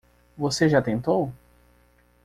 Você já tentou?